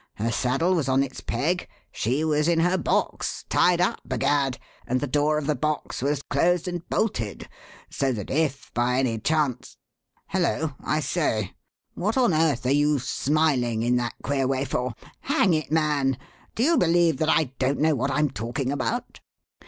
Her saddle was on its peg. She was in her box tied up, b'gad! and the door of the box was closed and bolted; so that if by any chance Hullo! I say! What on earth are you smiling in that queer way for? Hang it, man! do you believe that I don't know what I'm talking about?"